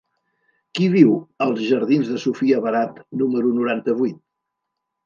Qui viu als jardins de Sofia Barat número noranta-vuit?